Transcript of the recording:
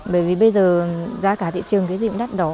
bởi vì bây giờ giá cả thị trường cái gì cũng đắt đỏ